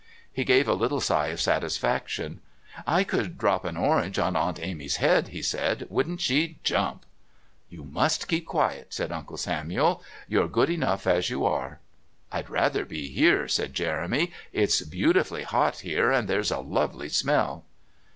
He gave a little sigh of satisfaction. "I could drop an orange on to Aunt Amy's head," he said. "Wouldn't she jump!" "You must keep quiet," said Uncle Samuel. "You're good enough as you are." "I'd rather be here," said Jeremy. "It's beautifully hot here and there's a lovely smell."